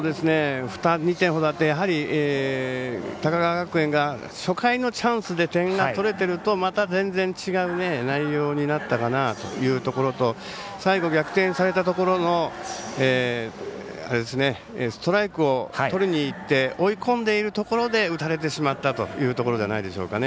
２点ほどあって高川学園が初回のチャンスで点を取れているとまた全然違う内容になったかなというところと最後、逆転されたところのストライクをとりにいって追い込んでいるところで打たれてしまったというところじゃないですかね。